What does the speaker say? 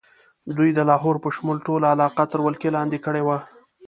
دوی د لاهور په شمول ټوله علاقه تر ولکې لاندې کړې وه.